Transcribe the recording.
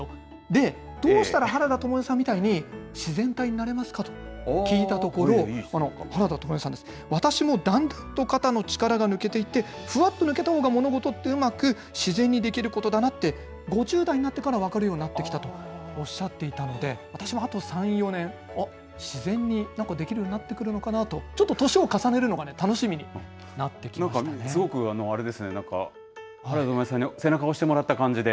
で、どうしたら原田知世さんみたいに自然体になれますかと聞いたところ、原田知世さんです、私もだんだんと肩の力が抜けていって、ふわっと抜けたほうが物事ってうまく、自然にできることだなって、５０代になってから分かるようになってきたとおっしゃっていたので、私もあと３、４年、自然になんか、できるようになってくるのかなと、ちょっと年を重ねるのがなんかすごくあれですね、原田知世さんに背中を押してもらった感じで。